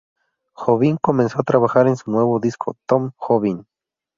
Jobim comenzó a trabajar en su nuevo disco "Tom Jobim".